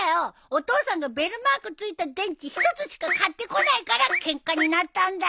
お父さんがベルマークついた電池１つしか買ってこないからケンカになったんだよ。